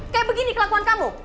kayak begini kelakuan kamu